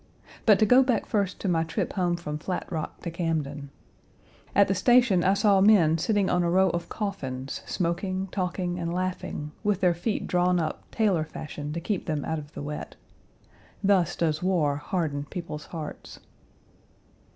But to go back first to my trip home from Flat Rock to Camden. At the station, I saw men sitting on a row of coffins smoking, talking, and laughing, with their feet drawn up tailor fashion to keep them out of the wet. Thus does war harden people's hearts.